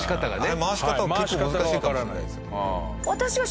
あれ回し方は結構難しいかもしれないですね。